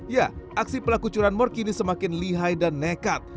ya aksi pelaku curanmor kini semakin lihai dan nekat